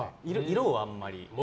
色をあまり。